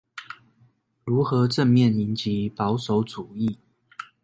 如何正面迎擊保守主義